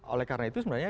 oleh karena itu sebenarnya